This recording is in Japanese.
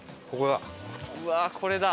ここだ！